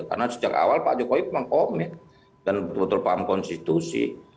karena sejak awal pak jokowi memang komik dan betul betul paham konstitusi